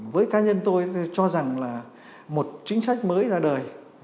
với cá nhân tôi cho rằng là một chính sách mới ra đời